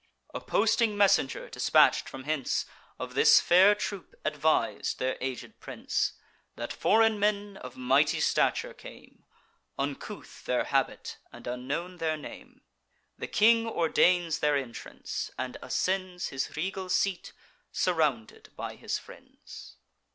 A posting messenger, dispatch'd from hence, Of this fair troop advis'd their aged prince, That foreign men of mighty stature came; Uncouth their habit, and unknown their name. The king ordains their entrance, and ascends His regal seat, surrounded by his friends.